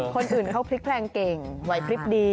คนอื่นเขาพลิกแพลงเก่งไหวพลิบดี